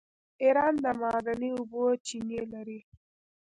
ایران د معدني اوبو چینې لري.